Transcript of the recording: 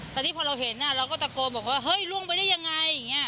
แต่ที่พอเราเห็นเราก็ตะโกบอกว่าเฮ้ยล่วงไปได้ยังไง